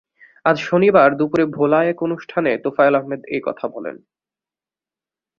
আজ শনিবার দুপুরে ভোলায় এক অনুষ্ঠানে তোফায়েল আহমেদ এ কথা বলেন।